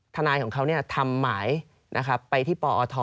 ทนายของเขาทำหมายไปที่ปอท